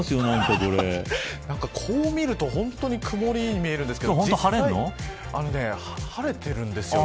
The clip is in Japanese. こう見ると本当に曇りに見えるんですけど晴れてるんですよ